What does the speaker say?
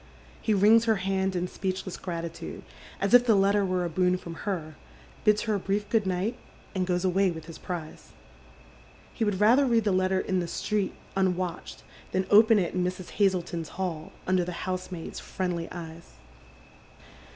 He wrings her hand in speechless gratitude, as if the letter were a boon from her ; bids htii' a briof good night, and eoes away with his piize. 122 Dead MerCs Shoes, He would rather read the letter in the street, nnwatched, than open it ill Mrs. Hazleton's hall, under the housemaid's friendly eyes.